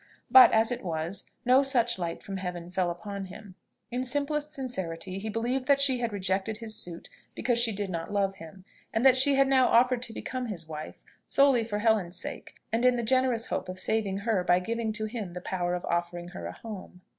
But, as it was, no such light from heaven fell upon him. In simplest sincerity he believed that she had rejected his suit because she did not love him, and that she had now offered to become his wife solely for Helen's sake, and in the generous hope of saving her by giving to him the power of offering her a home.